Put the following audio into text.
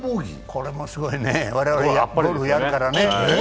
これもすごいね、我々、ゴルフやるからね。